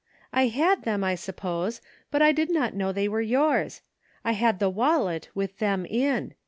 " I had them, I suppose, but I did not know they were yours. I had the wallet, with them in.